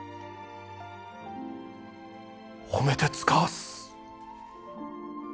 褒めてつかわす。